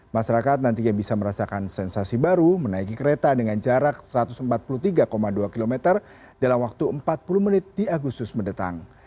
masyarakat nantinya bisa merasakan sensasi baru menaiki kereta dengan jarak satu ratus empat puluh tiga dua km dalam waktu empat puluh menit di agustus mendatang